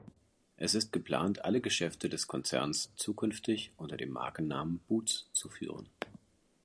Es ist geplant, alle Geschäfte des Konzerns zukünftig unter dem Markennamen Boots zu führen.